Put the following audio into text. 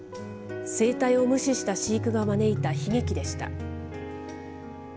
生態を無視した飼育が招いた悲劇でした。